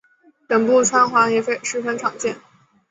脸部穿环也十分常见。